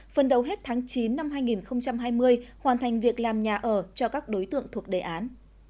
phần đầu hết tháng chín năm hai nghìn hai mươi hoàn thành việc làm nhà ở cho các đối tượng thuộc đề án